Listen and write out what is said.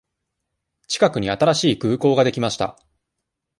近くに新しい空港ができました。